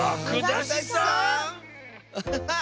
アハハッ！